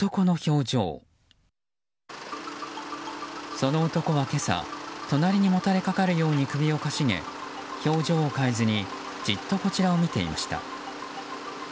その男は今朝隣にもたれかかるように首をかしげ表情を変えずにじっとこちらを見ていました。